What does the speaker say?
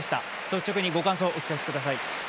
率直にご感想、お聞かせください。